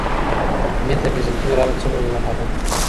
ميتافزيکي مرحله څه ډول مرحله ده؟